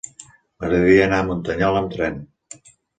M'agradaria anar a Muntanyola amb tren.